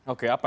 oke apa itu